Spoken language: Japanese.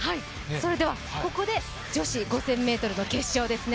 それではここで女子５０００ｍの決勝ですね。